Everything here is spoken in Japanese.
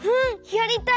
やりたい！